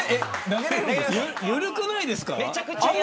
緩くないですか。